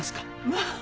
まあ。